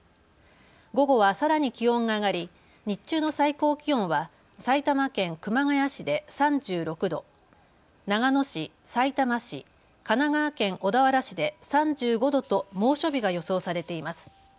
午後はさらに気温が上がり日中の最高気温は埼玉県熊谷市で３６度、長野市、さいたま市、神奈川県小田原市で３５度と猛暑日が予想されています。